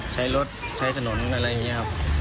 ใช้รถใช้ถนนอะไรอย่างนี้ครับ